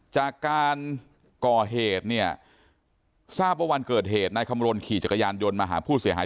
จากการก่อเหตุเนี่ยทราบว่าวันเกิดเหตุนายคำรณขี่จักรยานยนต์มาหาผู้เสียหาย